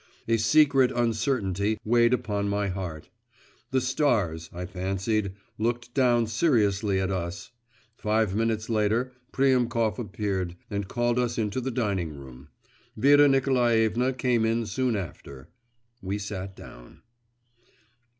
A secret uncertainty weighed upon my heart.… The stars, I fancied, looked down seriously at us. Five minutes later Priemkov appeared and called us into the dining room. Vera Nikolaevna came in soon after. We sat down.